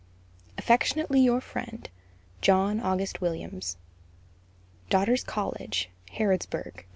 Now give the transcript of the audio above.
Affectionately your friend, JNO. AUG. WILLIAMS. DAUGHTER'S COLLEGE, Harrodsburg, Ky.